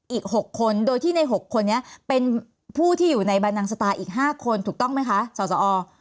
อีก๖คนโดยที่ใน๖คนนี้เป็นผู้ที่อยู่ในบรรดังสตาร์อีก๕คนถูกต้องไหมคะสสอ